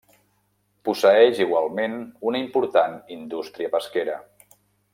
Posseeix igualment una important indústria pesquera.